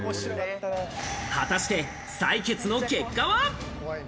果たして採血の結果は。